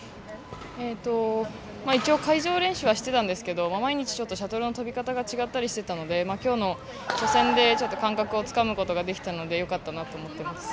一応、会場練習はしていたんですけどシャトルの飛び方が違ったりしていたのできょうの初戦で感覚をつかむことができたのでよかったなと思っています。